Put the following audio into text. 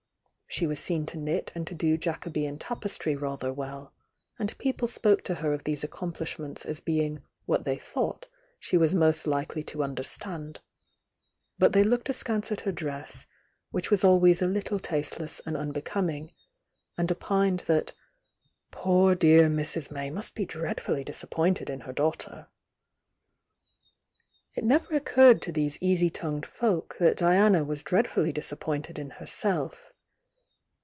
She was seen to knit and to do Jacobean tapestry rather well and people spoke to her of these accomplishments as bemg what they thought she was most likely to un deretand,— but they looked askance at her dress, which was always a little tasteless and unbecom ing and opined that "poor dear Mrs. May must be dreadfully disappointed in her daughter!" It never occurred to these easy tongued folk that Diana was dreadfully disappointed in herself.